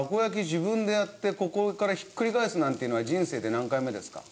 自分でやってここからひっくり返すなんていうのは人生で何回目ですか？